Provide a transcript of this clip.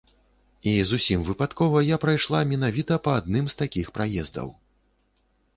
І зусім выпадкова я прайшла менавіта па адным з такіх праездаў.